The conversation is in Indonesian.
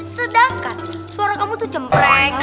sedangkan suara kamu tuh cempreng